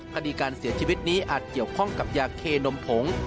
คดีการเสียชีวิตนี้อาจเกี่ยวข้องกับยาเคนมผง